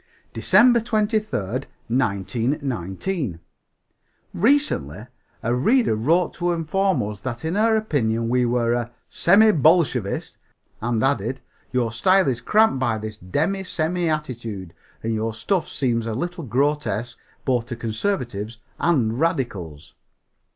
DECEMBER 23, 1919. Recently, a reader wrote to inform us that in her opinion we were a "semi Bolshevist," and added, "your style is cramped by this demi semi attitude, and your stuff seems a little grotesque both to conservatives and radicals."